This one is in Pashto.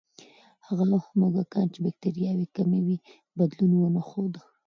هغه موږکان چې بکتریاوې یې کمې وې، بدلون ونه ښود.